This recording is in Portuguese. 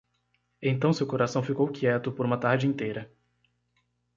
Então seu coração ficou quieto por uma tarde inteira.